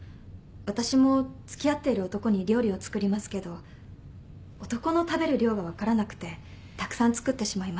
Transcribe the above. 私も付き合ってる男に料理を作りますけど男の食べる量が分からなくてたくさん作ってしまいます。